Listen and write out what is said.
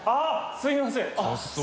△蕁畭すみません。